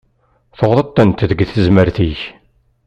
Tuɣeḍ-tent deg tezmert-ik.